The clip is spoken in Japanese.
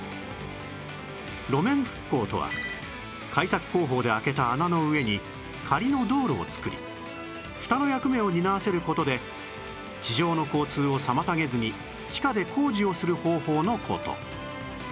路面覆工とは開削工法で開けた穴の上に仮の道路をつくりフタの役目を担わせる事で地上の交通を妨げずに地下で工事をする方法の事